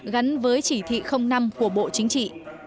gắn với chỉ thị năm của bộ chính trị